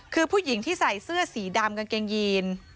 คือผู้หญิงที่ใส่เสื้อสีดำกางเกงยีน